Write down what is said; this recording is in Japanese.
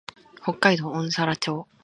北海道音更町